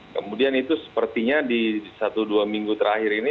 kemudian itu sepertinya di satu dua minggu terakhir ini